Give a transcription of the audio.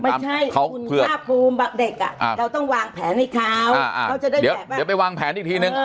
ไม่ใช่คุณภาคภูมิเด็กเราต้องวางแผนให้เขาเขาจะได้เดี๋ยวไปวางแผนอีกทีนึง